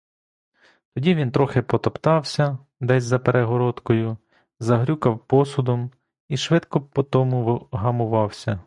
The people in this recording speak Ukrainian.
Тоді він трохи потоптався, десь за перегородкою загрюкав посудом — і швидко потому вгамувався.